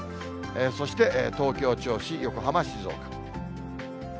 そして東京、銚子、横浜、静岡。